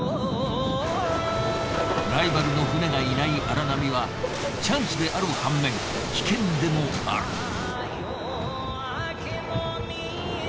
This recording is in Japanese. ライバルの船がいない荒波はチャンスである反面危険でもある。